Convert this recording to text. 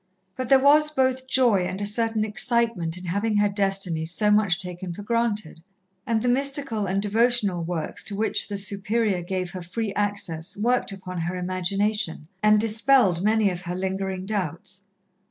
But there was both joy and a certain excitement in having her destiny so much taken for granted, and the mystical and devotional works to which the Superior gave her free access worked upon her imagination, and dispelled many of her lingering doubts.